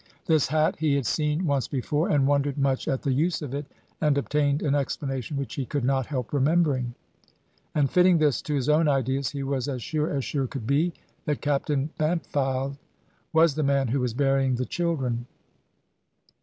This hat he had seen once before, and wondered much at the use of it, and obtained an explanation which he could not help remembering. And fitting this to his own ideas, he was as sure as sure could be, that Captain Bampfylde was the man who was burying the children.